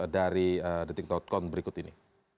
dari detik com berikut ini